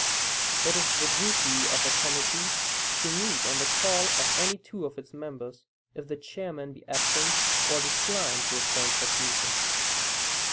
It is the duty of a committee to meet on the call of any two its of members, if the chairman be absent or decline to appoint such meeting.